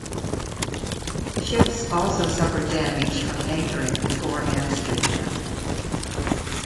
Ships also suffered damage from anchoring before Amsterdam.